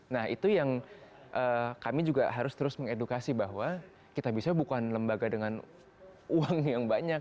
nah itu yang kami juga harus terus mengedukasi bahwa kitabisa bukan lembaga dengan uang yang banyak